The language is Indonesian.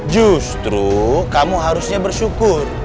justru kamu harusnya bersyukur